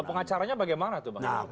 pengacaranya bagaimana tuh bang